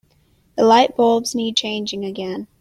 The lightbulbs need changing again.